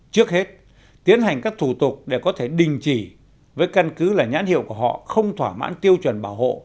trước hết tiến hành các thủ tục để có thể đình chỉ với căn cứ là nhãn hiệu của họ không thỏa mãn tiêu chuẩn bảo hộ